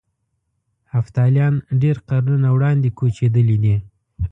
هفتالیان ډېر قرنونه وړاندې کوچېدلي دي.